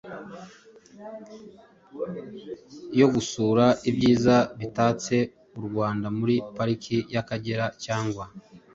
yo gusura ibyiza bitatse u Rwanda muri Pariki y’Akagera cyangwa